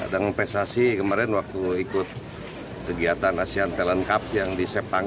dan mempensasi kemarin waktu ikut kegiatan asean talent cup yang di sepang